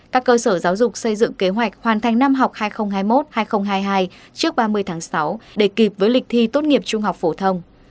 các cơ sở giáo dục xây dựng kế hoạch hoàn thành năm học hai nghìn hai mươi một hai nghìn hai mươi hai trước ba mươi tháng sáu để kịp với lịch thi tốt nghiệp trung học phổ thông